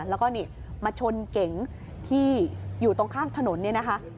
แล้วก็นี่มาชนเก๋งที่อยู่ตรงข้างถนนเนี่ยนะคะ